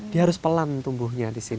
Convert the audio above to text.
dia harus pelan tumbuhnya di sini